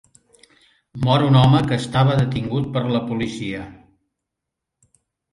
Mor un home que estava detingut per la policia